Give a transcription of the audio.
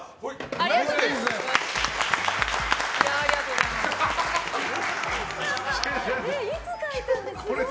ありがとうございます。